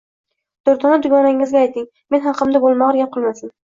Durdona, dugonangizga ayting, men haqimda bo`lmag`ur gap qilmasin